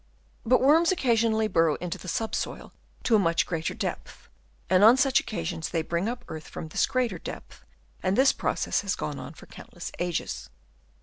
But worms occasionally burrow into the sub soil to a much greater depth, and on such occasions they bring up earth from this greater depth ; and this process has gone on for countless ages.